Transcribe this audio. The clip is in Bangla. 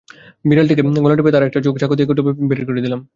বিড়ালটিকে গলা টিপে ধরে তার একটা চোখ চাকু দিয়ে খুবলে কেটে বার করে দিলাম।